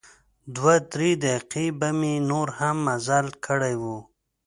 دوه درې دقیقې به مې نور هم مزل کړی و.